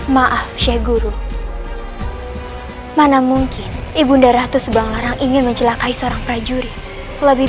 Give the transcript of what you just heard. maaf syekh guru mana mungkin ibunda ratus bang larang ingin mencelakai seorang prajurit lebih